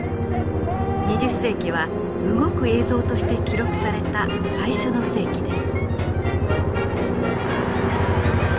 ２０世紀は動く映像として記録された最初の世紀です。